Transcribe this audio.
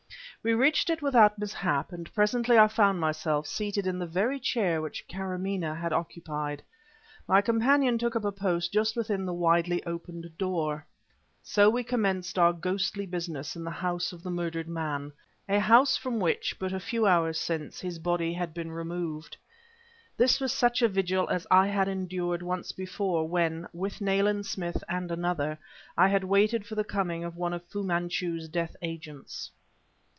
We reached it without mishap, and presently I found myself seated in the very chair which Karamaneh had occupied; my companion took up a post just within the widely opened door. So we commenced our ghostly business in the house of the murdered man a house from which, but a few hours since, his body had been removed. This was such a vigil as I had endured once before, when, with Nayland Smith and another, I had waited for the coming of one of Fu Manchu's death agents.